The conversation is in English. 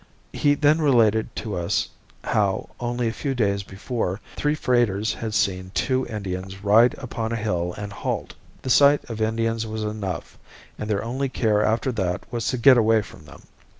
He then related to us how only a few days before three freighters had seen two Indians ride upon a hill and halt. The sight of Indians was enough and their only care after that was to get away from them.